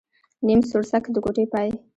نيم سوړسک ، د کوټې پاى.